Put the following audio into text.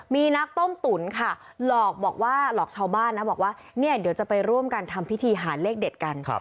มีนักต้มตุ๋นค่ะหลอกบอกว่าหลอกชาวบ้านนะบอกว่าเนี่ยเดี๋ยวจะไปร่วมกันทำพิธีหาเลขเด็ดกัน